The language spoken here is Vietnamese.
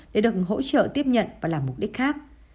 để được hỗ trợ tiếp nhận và làm mục đích khác